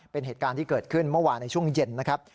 เป็นเหตุการณ์ที่เกิดขึ้นเมื่อวานในช่วงเย็นนะครับ